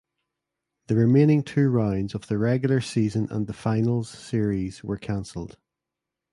The remaining two rounds of the regular season and the finals series were cancelled.